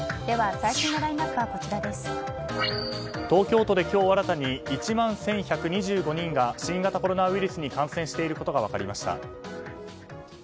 東京都で今日新たに１万１１２５人が新型コロナウイルスに感染していることが分かりました。